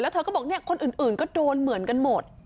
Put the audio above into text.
แล้วเธอก็บอกคนอื่นก็โดนเหมือนกันหมด